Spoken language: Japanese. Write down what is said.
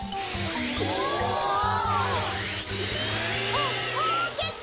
おおおきく。